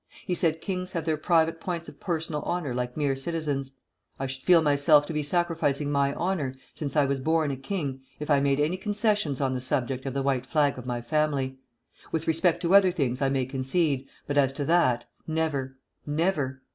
He said: 'Kings have their private points of personal honor like mere citizens. I should feel myself to be sacrificing my honor, since I was born a king, if I made any concessions on the subject of the White Flag of my family. With respect to other things I may concede; but as to that, never, _never!